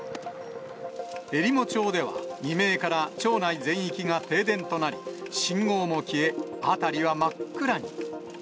えりも町では未明から町内全域が停電となり、信号も消え、辺りは真っ暗に。